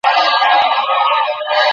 লেখকটিকে তিনি মোটেই পছন্দ করেন না।